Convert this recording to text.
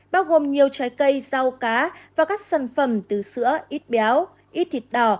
bao gồm nhiều trái cây rau cá và các sản phẩm từ sữa ít béo ít thịt đỏ